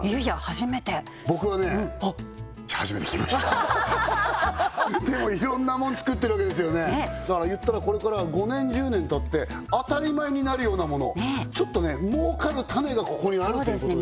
初めて僕はね初めて聞きましたでもいろんなもの作ってるわけですよねだから言ったらこれから５年１０年たって当たり前になるようなものちょっとね儲かる種がここにあるということですね